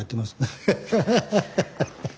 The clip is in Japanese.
アハハハハ！